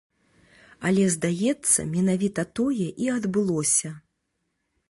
Але, здаецца, менавіта тое і адбылося.